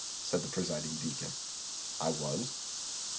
said the presiding deacon. "I was."